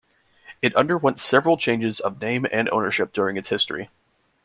It underwent several changes of name and ownership during its history.